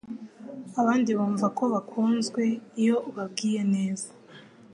abandi bumva ko bakunzwe iyo ubabwiye neza